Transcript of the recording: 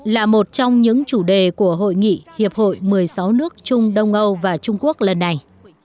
là một trong những chủ đề của hội nghị hiệp hội một mươi sáu nước trung đông âu và trung quốc lần này